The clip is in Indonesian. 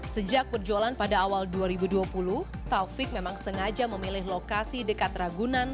sejak perjualan pada awal dua ribu dua puluh taufik memang sengaja memilih lokasi dekat ragunan